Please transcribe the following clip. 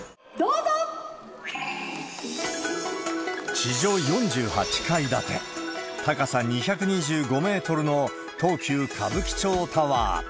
地上４８階建て、高さ２２５メートルの東急歌舞伎町タワー。